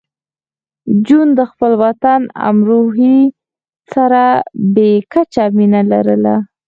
جون د خپل وطن امروهې سره بې کچه مینه لرله